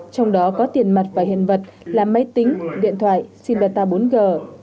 trong đó có tiền mặt và hiện vật là máy tính điện thoại simpeta bốn g